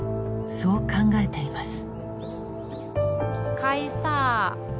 そう考えています。